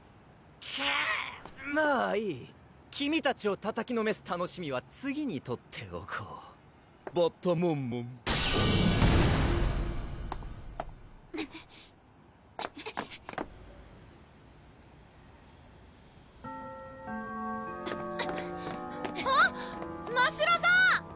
クッまぁいい君たちをたたきのめす楽しみは次に取っておこうバッタモンモンうんあっましろさん！